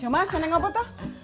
mas yang apa tuh